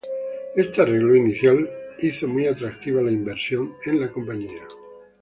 Este arreglo inicial hizo muy atractiva la inversión en la Compañía.